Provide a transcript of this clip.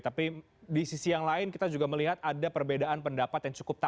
tapi di sisi yang lain kita juga melihat ada perbedaan pendapat yang cukup